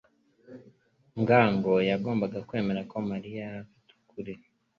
ngango yagombaga kwemera ko Mariya yari afite ukuri.